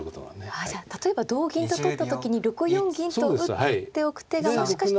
あじゃあ例えば同銀と取った時に６四銀と打っておく手がもしかしたら。